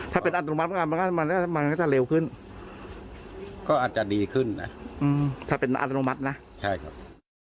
ถ้าเป็นอัตโนมัติงานมันก็จะเร็วขึ้นก็อาจจะดีขึ้นนะถ้าเป็นอัตโนมัตินะใช่ครับ